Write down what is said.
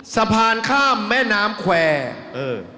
สะพานข้ามแม่น้ำแควร์เออ